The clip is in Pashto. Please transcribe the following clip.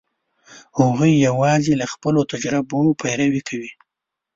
هغوی یواځې له خپلو تجربو پیروي کوي.